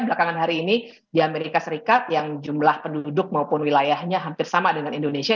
belakangan hari ini di amerika serikat yang jumlah penduduk maupun wilayahnya hampir sama dengan indonesia